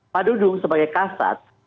pak dudung sebagai kasar